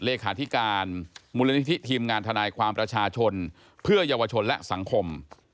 เลขาธิการมูลนิธิทีมงานทนายความประชาชนเพื่อเยาวชนและสังคม